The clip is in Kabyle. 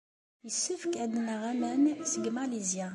Yessefk ad naɣ aman seg Malizya.